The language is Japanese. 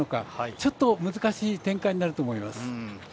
ちょっと難しい展開になると思います。